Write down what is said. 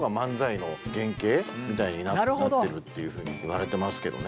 なるほど！みたいになってるっていうふうに言われてますけどね。